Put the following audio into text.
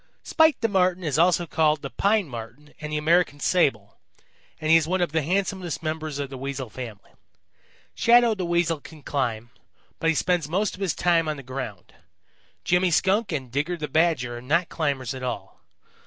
"Spite the Marten is also called the Pine Marten and the American Sable, and he is one of the handsomest members of the Weasel family. Shadow the Weasel can climb, but he spends most of his time on the ground. Jimmy Skunk and Digger the Badger are not climbers at all.